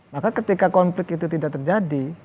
maka ketika konflik itu tidak terjadi